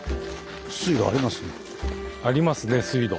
ありますね水路。